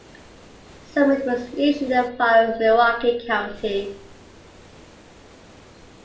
Summit was initially a part of Milwaukee County.